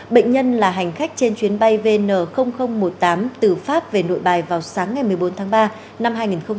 bệnh nhân là hành khách trên chuyến bay vn một mươi tám từ pháp về nội bài vào sáng ngày một mươi bốn tháng ba năm hai nghìn hai mươi